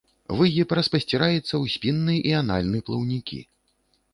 Выгіб распасціраецца ў спінны і анальны плаўнікі.